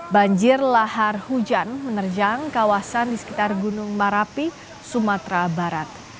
banjir lahar hujan menerjang kawasan di sekitar gunung marapi sumatera barat